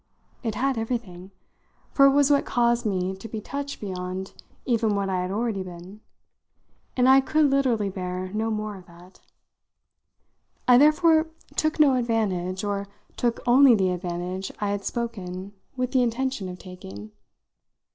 It had everything for it was what caused me to be touched beyond even what I had already been, and I could literally bear no more of that. I therefore took no advantage, or took only the advantage I had spoken with the intention of taking.